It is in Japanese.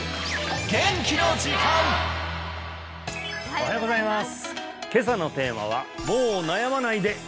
おはようございます